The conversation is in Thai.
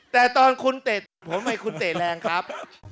แต่ตอนคุณเตะผมให้คุณเตะแรงครับ